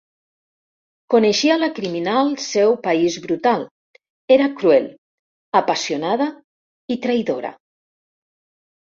Coneixia la criminal seu país brutal, era cruel, apassionada i traïdora.